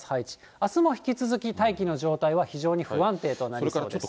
あすも引き続き大気の状態は非常に不安定になりそうです。